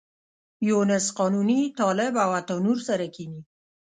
یونس قانوني، طالب او عطا نور سره کېني.